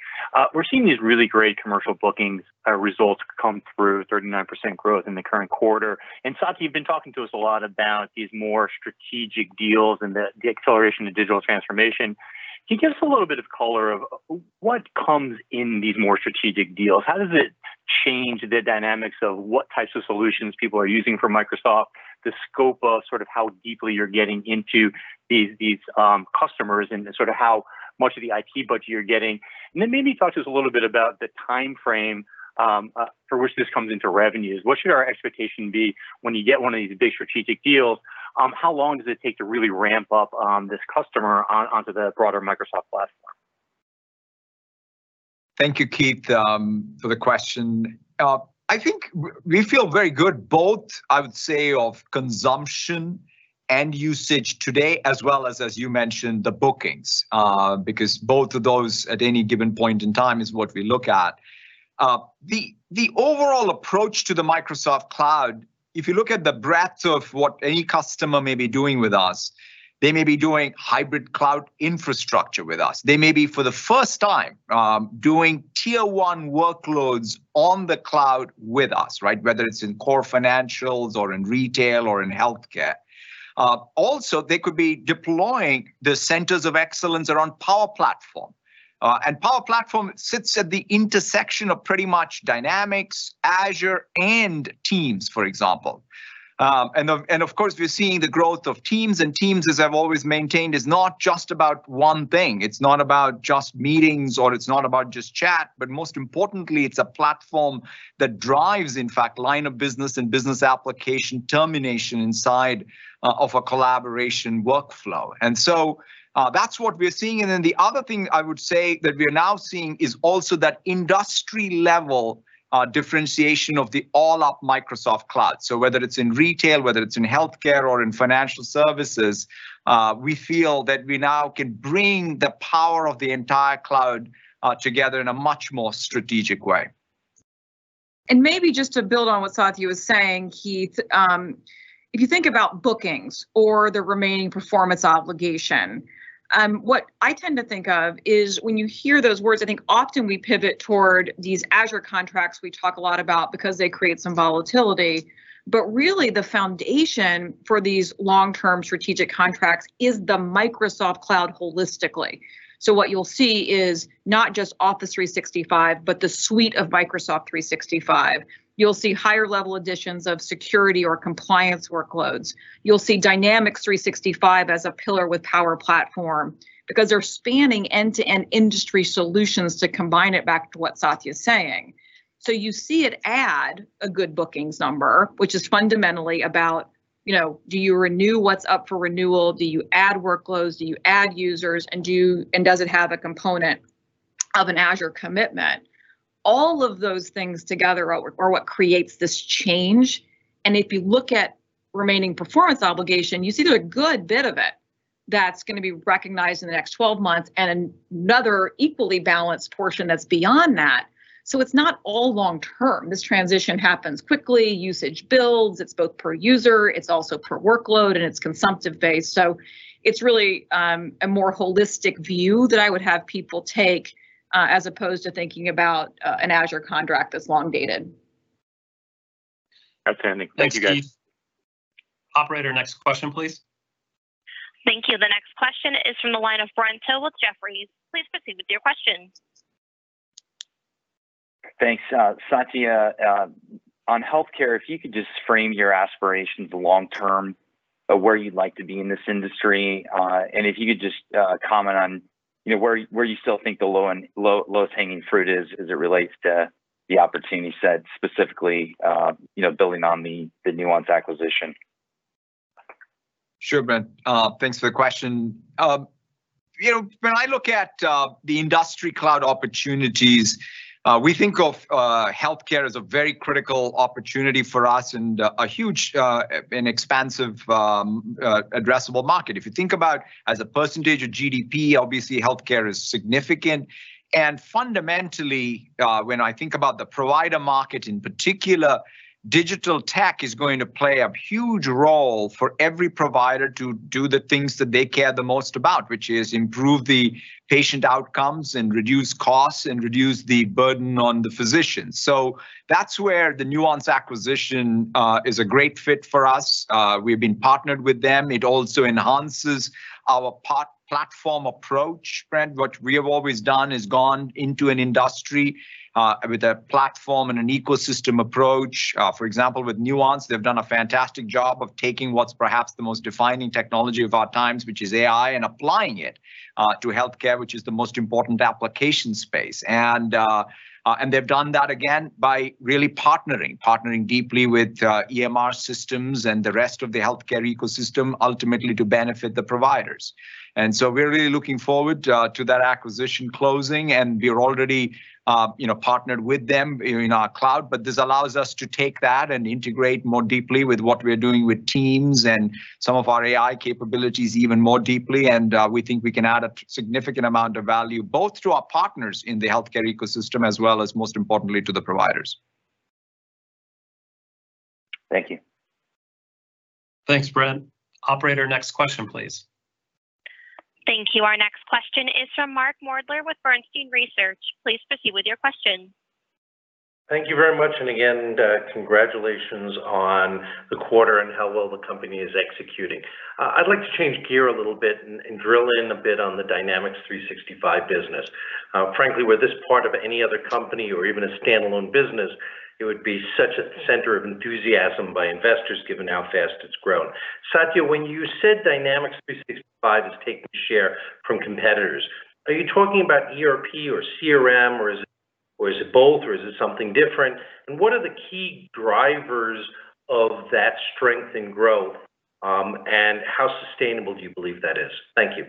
We're seeing these really great commercial bookings results come through, 39% growth in the current quarter. Satya, you've been talking to us a lot about these more strategic deals and the acceleration to digital transformation. Can you give us a little bit of color of what comes in these more strategic deals? How does it change the dynamics of what types of solutions people are using from Microsoft, the scope of how deeply you're getting into these customers, and how much of the IT budget you're getting? Then maybe talk to us a little bit about the timeframe for which this comes into revenues. What should our expectation be when you get one of these big strategic deals? How long does it take to really ramp up this customer onto the broader Microsoft platform? Thank you, Keith, for the question. I think we feel very good both, I would say, of consumption and usage today as well as you mentioned, the bookings. Both of those at any given point in time is what we look at. The overall approach to the Microsoft Cloud, if you look at the breadth of what any customer may be doing with us, they may be doing hybrid cloud infrastructure with us. They may be for the first time, doing tier 1 workloads on the cloud with us, right? Whether it's in core financials or in retail or in healthcare. They could be deploying the centers of excellence around Power Platform. Power Platform sits at the intersection of pretty much Dynamics, Azure, and Teams, for example. Of course, we're seeing the growth of Teams, and Teams, as I've always maintained, is not just about one thing. It's not about just meetings or it's not about just chat, but most importantly, it's a platform that drives, in fact, line of business and business application termination inside of a collaboration workflow. That's what we're seeing. The other thing I would say that we're now seeing is also that industry level differentiation of the all up Microsoft Cloud. Whether it's in retail, whether it's in healthcare or in financial services, we feel that we now can bring the power of the entire cloud together in a much more strategic way. Maybe just to build on what Satya was saying, Keith, if you think about bookings or the remaining performance obligation, what I tend to think of is when you hear those words, I think often we pivot toward these Azure contracts we talk a lot about because they create some volatility, but really the foundation for these long-term strategic contracts is the Microsoft Cloud holistically. What you'll see is not just Office 365, but the suite of Microsoft 365. You'll see higher level editions of security or compliance workloads. You'll see Dynamics 365 as a pillar with Power Platform because they're spanning end-to-end industry solutions to combine it back to what Satya's saying. You see it add a good bookings number, which is fundamentally about, you know, do you renew what's up for renewal? Do you add workloads? Do you add users? Does it have a component of an Azure commitment? All of those things together are what creates this change. If you look at remaining performance obligation, you see there a good bit of it that's gonna be recognized in the next 12 months and another equally balanced portion that's beyond that. It's not all long-term. This transition happens quickly. Usage builds. It's both per user, it's also per workload, and it's consumptive-based. It's really a more holistic view that I would have people take as opposed to thinking about an Azure contract as long dated. Outstanding. Thank you, guys. Thanks, Keith. Operator, next question, please. Thank you. The next question is from the line of Brent Thill with Jefferies. Please proceed with your question. Thanks. Satya, on healthcare, if you could just frame your aspirations long term of where you'd like to be in this industry, and if you could just comment on, you know, where you still think the low and low-lowest hanging fruit is as it relates to the opportunity set specifically, you know, building on the Nuance acquisition? Sure, Brent. Thanks for the question. You know, when I look at the industry cloud opportunities, we think of healthcare as a very critical opportunity for us and a huge and expansive addressable market. If you think about as a percentage of GDP, obviously healthcare is significant. Fundamentally, when I think about the provider market in particular, digital tech is going to play a huge role for every provider to do the things that they care the most about, which is improve the patient outcomes and reduce costs and reduce the burden on the physician. That's where the Nuance acquisition is a great fit for us. We've been partnered with them. It also enhances our part-platform approach, Brent. What we have always done is gone into an industry with a platform and an ecosystem approach. For example, with Nuance, they've done a fantastic job of taking what's perhaps the most defining technology of our times, which is AI, and applying it to healthcare, which is the most important application space. They've done that again by really partnering deeply with EMR systems and the rest of the healthcare ecosystem ultimately to benefit the providers. We're really looking forward to that acquisition closing, and we're already, you know, partnered with them in our cloud. This allows us to take that and integrate more deeply with what we're doing with Teams and some of our AI capabilities even more deeply. We think we can add a significant amount of value both to our partners in the healthcare ecosystem as well as, most importantly, to the providers. Thank you. Thanks, Brent. Operator, next question, please. Thank you. Our next question is from Mark Moerdler with Bernstein Research. Please proceed with your question. Thank you very much. Again, congratulations on the quarter and how well the company is executing. I'd like to change gear a little bit and drill in a bit on the Dynamics 365 business. Frankly, were this part of any other company or even a standalone business, it would be such a center of enthusiasm by investors given how fast it's grown. Satya, when you said Dynamics 365 has taken share from competitors, are you talking about ERP or CRM, or is it? Is it both, or is it something different? What are the key drivers of that strength and growth, and how sustainable do you believe that is? Thank you.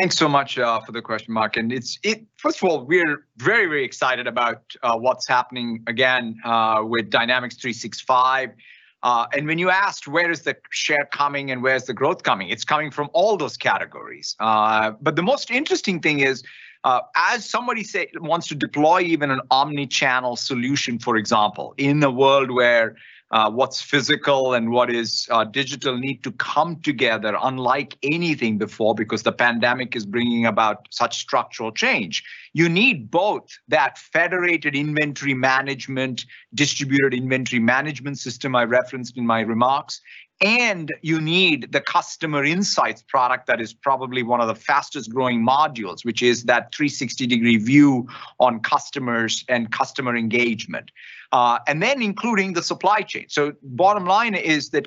Thanks so much for the question, Mark. First of all, we're very, very excited about what's happening again with Dynamics 365. When you asked where is the share coming and where is the growth coming, it's coming from all those categories. The most interesting thing is, as somebody say, wants to deploy even an omni-channel solution, for example, in the world where what's physical and what is digital need to come together unlike anything before because the pandemic is bringing about such structural change, you need both that federated inventory management, distributed inventory management system I referenced in my remarks, and you need the Customer Insights product that is probably one of the fastest growing modules, which is that 360-degree view on customers and customer engagement. Including the supply chain. Bottom line is that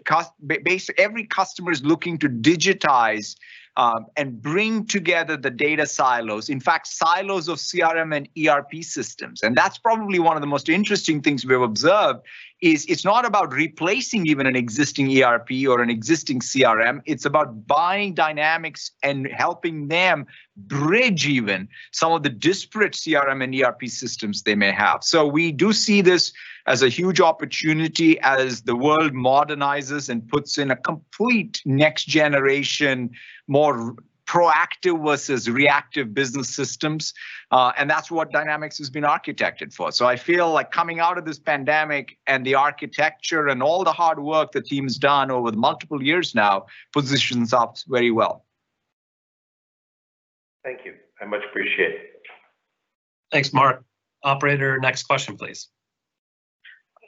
every customer is looking to digitize and bring together the data silos. In fact, silos of CRM and ERP systems. That's probably one of the most interesting things we've observed is it's not about replacing even an existing ERP or an existing CRM, it's about buying Dynamics and helping them bridge even some of the disparate CRM and ERP systems they may have. We do see this as a huge opportunity as the world modernizes and puts in a complete next generation, more proactive versus reactive business systems. That's what Dynamics has been architected for. I feel like coming out of this pandemic and the architecture and all the hard work the team's done over the multiple years now, positions us very well. Thank you. I much appreciate it. Thanks, Mark. Operator, next question please.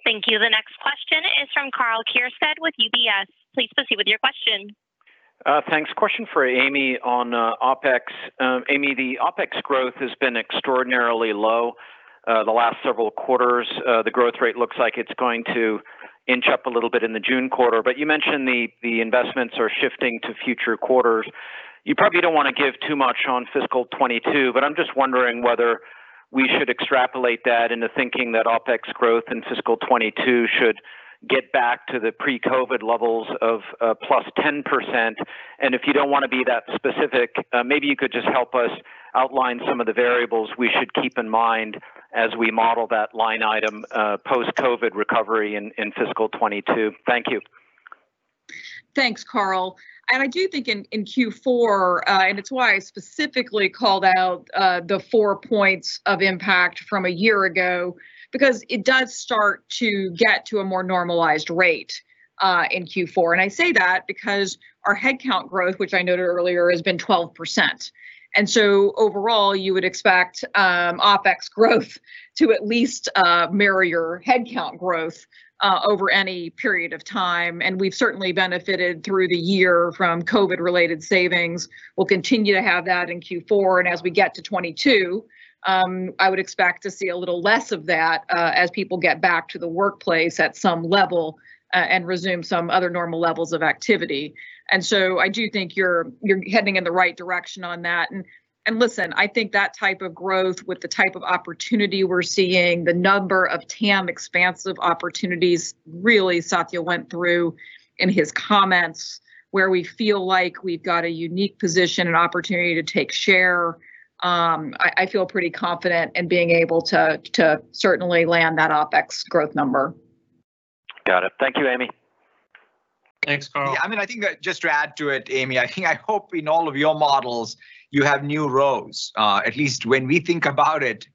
Thank you. The next question is from Karl Keirstead with UBS. Please proceed with your question. Thanks. Question for Amy on OpEx. Amy, the OpEx growth has been extraordinarily low the last several quarters. The growth rate looks like it's going to inch up a little bit in the June quarter, but you mentioned the investments are shifting to future quarters. You probably don't want to give too much on FY 2022, but I'm just wondering whether we should extrapolate that into thinking that OpEx growth in FY 2022 should get back to the pre-COVID levels of +10%. If you don't want to be that specific, maybe you could just help us outline some of the variables we should keep in mind as we model that line item, post-COVID recovery in FY 2022. Thank you. Thanks, Karl. I do think in Q4, it's why I specifically called out the four points of impact from a year ago, because it does start to get to a more normalized rate in Q4. I say that because our head count growth, which I noted earlier, has been 12%. Overall you would expect OpEx growth to at least mirror your head count growth over any period of time, we've certainly benefited through the year from COVID-19-related savings. We'll continue to have that in Q4, as we get to 2022, I would expect to see a little less of that as people get back to the workplace at some level, resume some other normal levels of activity. I do think you're heading in the right direction on that. Listen, I think that type of growth with the type of opportunity we're seeing, the number of TAM expansive opportunities really Satya went through in his comments, where we feel like we've got a unique position and opportunity to take share, I feel pretty confident in being able to certainly land that OpEx growth number. Got it. Thank you, Amy. Thanks, Karl. I mean, I think that just to add to it, Amy, I think, I hope in all of your models you have new rows. At least when we think about it,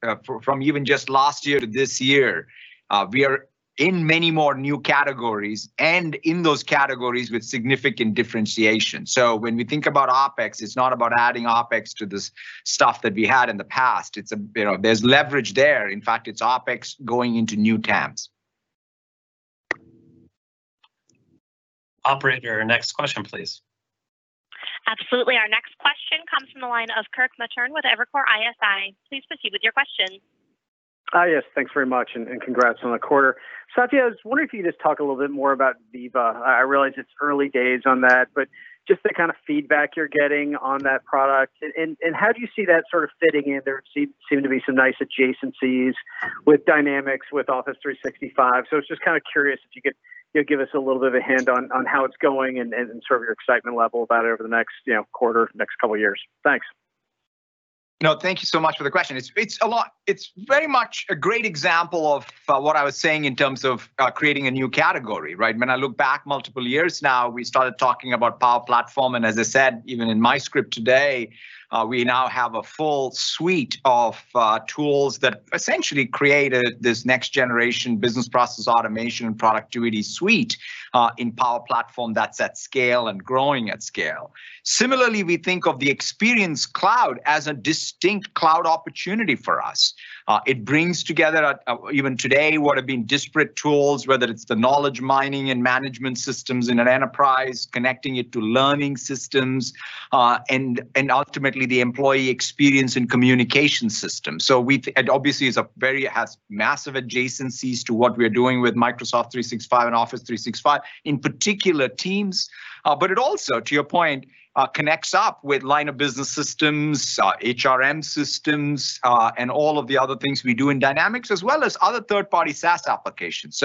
from even just last year to this year, we are in many more new categories and in those categories with significant differentiation. When we think about OpEx, it's not about adding OpEx to the stuff that we had in the past, you know, there's leverage there. In fact, it's OpEx going into new TAMs. Operator, next question please. Absolutely. Our next question comes from the line of Kirk Materne with Evercore ISI. Please proceed with your question. Yes. Thanks very much. Congrats on the quarter. Satya, I was wondering if you could just talk a little bit more about Viva. I realize it's early days on that, but just the kind of feedback you're getting on that product and how do you see that sort of fitting in? There seem to be some nice adjacencies with Dynamics, with Office 365. I was just kind of curious if you could, you know, give us a little bit of a hint on how it's going and sort of your excitement level about it over the next, you know, quarter, next couple years. Thanks. Thank you so much for the question. It's a lot. It's very much a great example of what I was saying in terms of creating a new category, right? When I look back multiple years now, we started talking about Power Platform, and as I said, even in my script today, we now have a full suite of tools that essentially created this next generation business process automation and productivity suite in Power Platform that's at scale and growing at scale. Similarly, we think of the Experience Cloud as a distinct cloud opportunity for us. It brings together, even today, what have been disparate tools, whether it's the knowledge mining and management systems in an enterprise, connecting it to learning systems, and ultimately the employee experience and communication system. And obviously it's a very, has massive adjacencies to what we are doing with Microsoft 365 and Office 365, in particular Teams. It also, to your point, connects up with line of business systems, HRM systems, and all of the other things we do in Dynamics, as well as other third-party SaaS applications.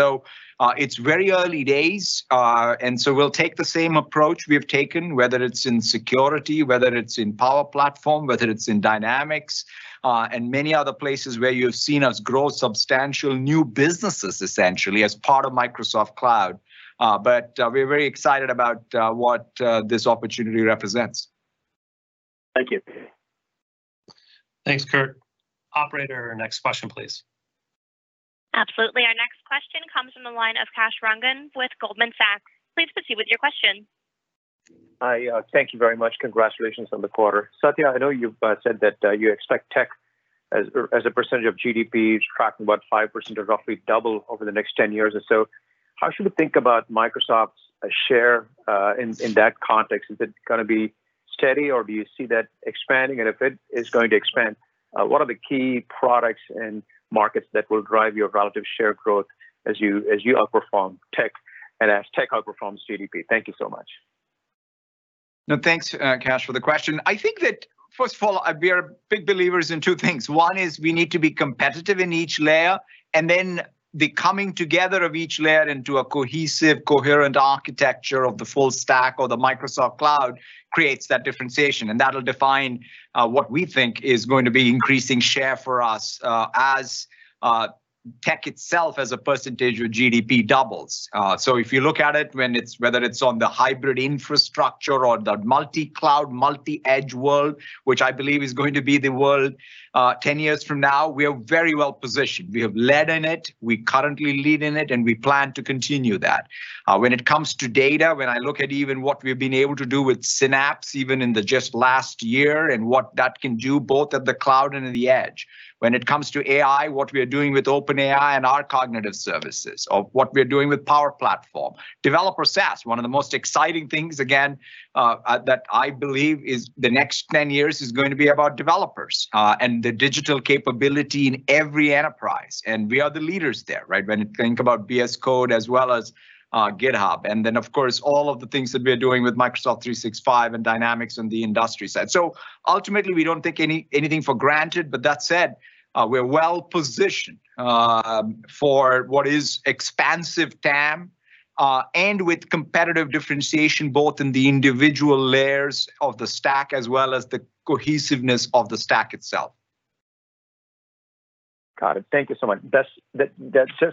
It's very early days, we'll take the same approach we have taken, whether it's in security, whether it's in Power Platform, whether it's in Dynamics, and many other places where you've seen us grow substantial new businesses essentially as part of Microsoft Cloud. We're very excited about what this opportunity represents. Thank you. Thanks, Kirk. Operator, next question, please. Absolutely. Our next question comes from the line of Kash Rangan with Goldman Sachs. Please proceed with your question. I thank you very much. Congratulations on the quarter. Satya, I know you've said that you expect tech as a percentage of GDP to track about 5% or roughly double over the next 10 years or so. How should we think about Microsoft's share in that context? Is it gonna be steady or do you see that expanding? If it is going to expand, what are the key products and markets that will drive your relative share growth as you, as you outperform tech and as tech outperforms GDP? Thank you so much. Thanks, Kash for the question. I think that first of all, we are big believers in two things. One is we need to be competitive in each layer, the coming together of each layer into a cohesive, coherent architecture of the full stack or the Microsoft Cloud creates that differentiation, and that'll define what we think is going to be increasing share for us, as tech itself as a percentage of GDP doubles. If you look at it when it's, whether it's on the hybrid infrastructure or the multi-cloud, multi edge world, which I believe is going to be the world, 10 years from now, we are very well positioned. We have led in it, we currently lead in it, we plan to continue that. When it comes to data, when I look at even what we've been able to do with Synapse even in the just last year and what that can do both at the cloud and in the edge. When it comes to AI, what we are doing with OpenAI and our Cognitive Services or what we are doing with Power Platform. Developer SaaS, one of the most exciting things again, that I believe is the next 10 years is going to be about developers, and the digital capability in every enterprise, and we are the leaders there, right? When you think about VS Code as well as GitHub, and then of course all of the things that we are doing with Microsoft 365 and Dynamics on the industry side. Ultimately we don't take anything for granted, but that said, we're well-positioned for what is expansive TAM, and with competitive differentiation both in the individual layers of the stack as well as the cohesiveness of the stack itself. Got it. Thank you so much. That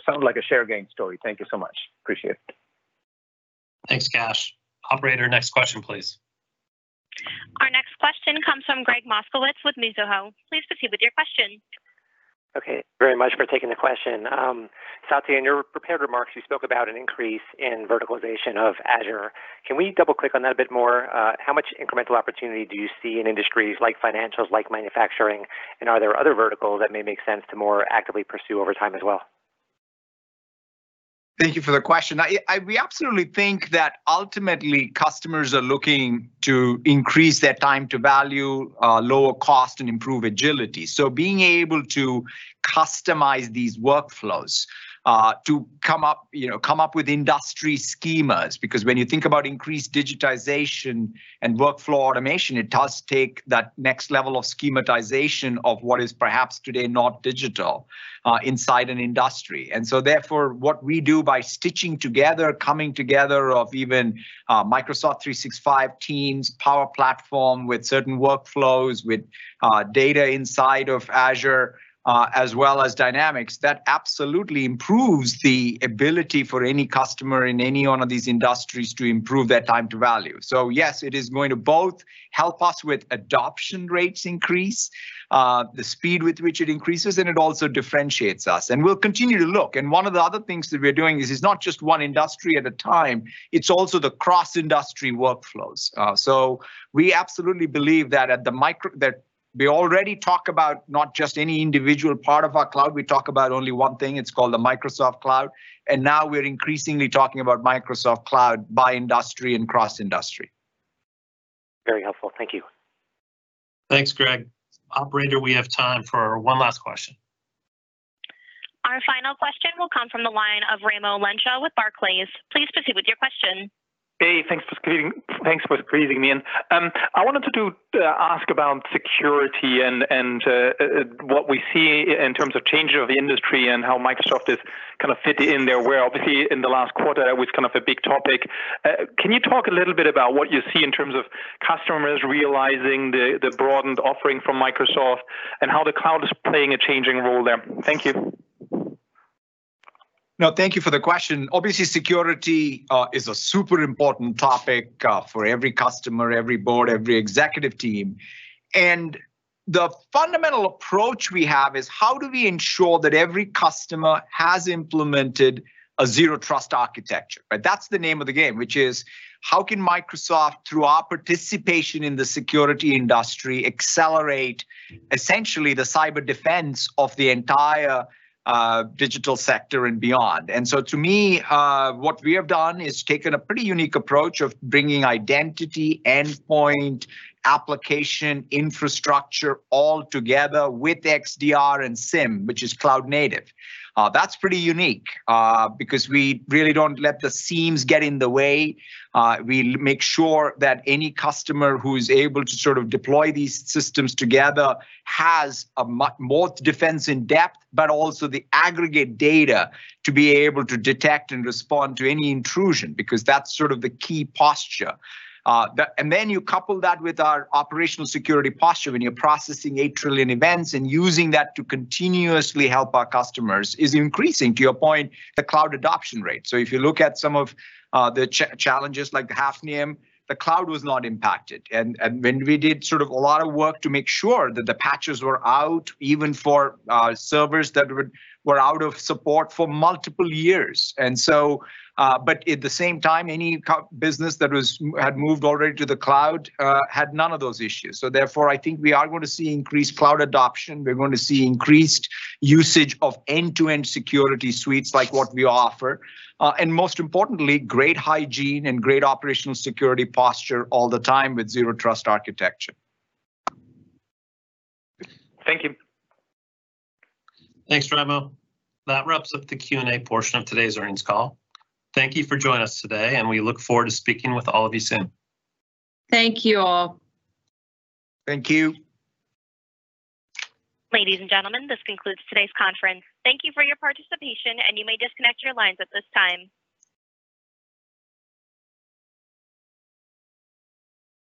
sounds like a share gain story. Thank you so much. Appreciate it. Thanks, Kash. Operator, next question, please. Our next question comes from Gregg Moskowitz with Mizuho. Please proceed with your question. Okay. Very much for taking the question. Satya, in your prepared remarks, you spoke about an increase in verticalization of Azure. Can we double-click on that a bit more? How much incremental opportunity do you see in industries like financials, like manufacturing, and are there other verticals that may make sense to more actively pursue over time as well? Thank you for the question. We absolutely think that ultimately customers are looking to increase their time to value, lower cost and improve agility. Being able to customize these workflows, to come up, you know, with industry schemas because when you think about increased digitization and workflow automation, it does take that next level of schematization of what is perhaps today not digital inside an industry. Therefore what we do by stitching together, coming together of even Microsoft 365, Teams, Power Platform with certain workflows, with data inside of Azure, as well as Dynamics, that absolutely improves the ability for any customer in any one of these industries to improve their time to value. Yes, it is going to both help us with adoption rates increase, the speed with which it increases, and it also differentiates us. We'll continue to look. One of the other things that we are doing is it's not just one industry at a time, it's also the cross-industry workflows. We absolutely believe that at the Microsoft that we already talk about not just any individual part of our cloud, we talk about only one thing, it's called the Microsoft Cloud, and now we're increasingly talking about Microsoft Cloud by industry and cross-industry. Very helpful. Thank you. Thanks, Gregg. Operator, we have time for one last question. Our final question will come from the line of Raimo Lenschow with Barclays. Please proceed with your question. Hey, thanks for squeezing me in. I wanted to do ask about security and what we see in terms of change of the industry and how Microsoft is kind of fit in there where obviously in the last quarter it was kind of a big topic. Can you talk a little bit about what you see in terms of customers realizing the broadened offering from Microsoft and how the cloud is playing a changing role there? Thank you. No, thank you for the question. Obviously, security is a super important topic for every customer, every board, every executive team. The fundamental approach we have is how do we ensure that every customer has implemented a zero-trust architecture, right? That's the name of the game, which is how can Microsoft, through our participation in the security industry, accelerate essentially the cyber defense of the entire digital sector and beyond? To me, what we have done is taken a pretty unique approach of bringing identity, endpoint, application, infrastructure all together with XDR and SIEM, which is cloud native. That's pretty unique, because we really don't let the seams get in the way. We make sure that any customer who is able to sort of deploy these systems together has both defense in depth, but also the aggregate data to be able to detect and respond to any intrusion because that's sort of the key posture. Then you couple that with our operational security posture when you're processing eight trillion events and using that to continuously help our customers is increasing, to your point, the cloud adoption rate. If you look at some of the challenges like the Hafnium, the cloud was not impacted. When we did sort of a lot of work to make sure that the patches were out, even for servers that were out of support for multiple years. But at the same time, any business that had moved already to the cloud had none of those issues. Therefore, I think we are going to see increased cloud adoption. We're going to see increased usage of end-to-end security suites like what we offer, and most importantly, great hygiene and great operational security posture all the time with zero-trust architecture. Thank you. Thanks, Raimo. That wraps up the Q&A portion of today's earnings call. Thank you for joining us today, and we look forward to speaking with all of you soon. Thank you all. Thank you. Ladies and gentlemen, this concludes today's conference. Thank you for your participation, and you may disconnect your lines at this time.